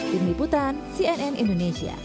tim liputan cnn indonesia